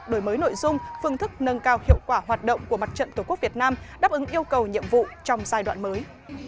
đổi mới nội dung phương thức nâng cao hiệu quả hoạt động của mặt trận tổ quốc việt nam đáp ứng yêu cầu nhiệm vụ trong giai đoạn mới